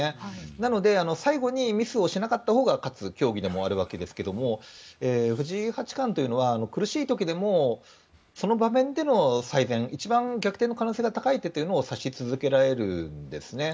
なので最後にミスをしなかったほうが勝つ競技でもあるわけですが藤井八冠というのは苦しい時でもその場面での最善一番逆転の可能性が高い手を指し続けられるんですね。